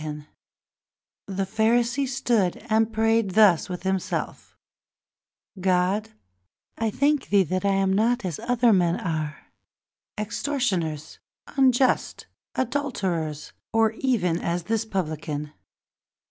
And the Pharisee Stood and prayed thus within himself: O God, I thank thee I am not as other men, Extortioners, unjust, adulterers, Or even as this Publican.